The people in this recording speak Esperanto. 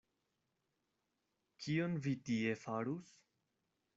Kion vi tie farus?